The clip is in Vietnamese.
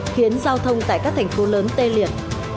khiến giao thông tại các thành phố lớn tê liệt